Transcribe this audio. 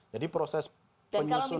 jadi proses penyusunan